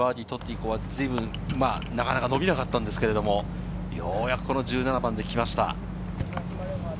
以降、なかなか伸びなかったんですけれど、ようやく１７番で来ました。